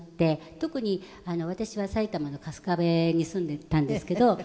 特に私は埼玉の春日部に住んでいたんですけど。